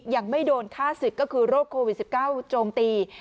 ยังไม่โดนฆ่าศึกก็คือโรคโควิด๑๙โจมตี